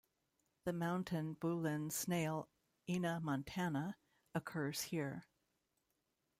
The Mountain Bulin snail "Ena montana" occurs here.